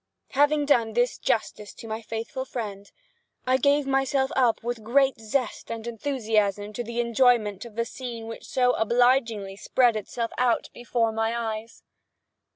Having done this justice to my faithful friend, I gave myself up with great zest and enthusiasm to the enjoyment of the scene which so obligingly spread itself out before my eyes.